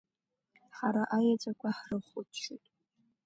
Ҳара аеҵәақәа ҳрыхәлаччоит.